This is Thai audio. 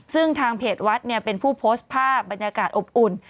ซึ่งทางเพจวัดเป็นผู้โพสต์ภาพบรรยากาศอบอุ่น